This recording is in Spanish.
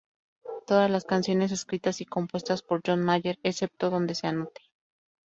Todas las canciones escritas y compuestas por John Mayer, excepto donde se anote.